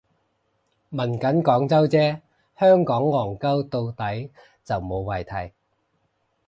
問緊廣州啫，香港戇 𨳊 到底就無謂提